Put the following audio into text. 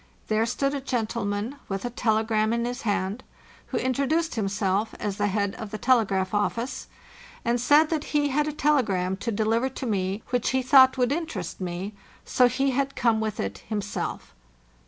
There stood a gentleman with a telegram in his hand, who introduced himself as the head of the tele eraph office, and said that he had a telegram to deliver to me which he thought would interest me, so he had come with it himself.